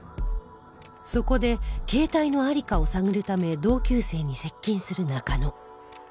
そこで携帯の在りかを探るため同級生に接近する中野